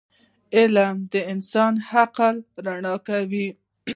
علم د انسان عقل رڼا کوي.